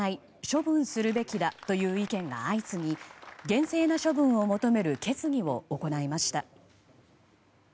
処分するべきだという意見が相次ぎ厳正な処分を求める決議を行いました。